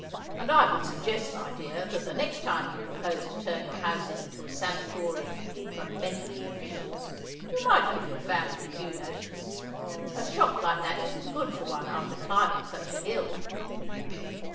"And I would suggest, my dear, that the next time you propose to turn your house into a sanatorium for 'Mentally Deficients,' you might give your family due notice. A shock like that isn't good for one after climbing such a hill."